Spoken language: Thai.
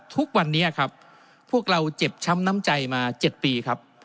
ทุกวันนี้ครับพวกเราเจ็บช้ำน้ำใจมา๗ปีครับ